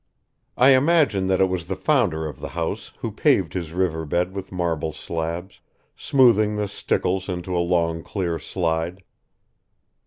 I imagine that it was the founder of the house who paved his river bed with marble slabs, smoothing the stickles into a long clear slide.